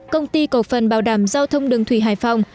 công ty cổ phần bảo đảm giao thông đường thủy hải phòng